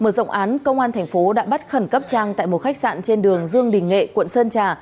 mở rộng án công an thành phố đã bắt khẩn cấp trang tại một khách sạn trên đường dương đình nghệ quận sơn trà